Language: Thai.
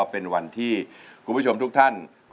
ร้องได้ให้ร้าง